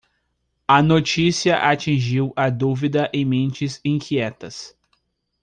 A notícia atingiu a dúvida em mentes inquietas.